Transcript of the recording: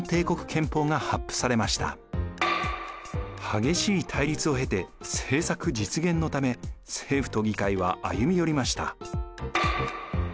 激しい対立を経て政策実現のため政府と議会は歩み寄りました。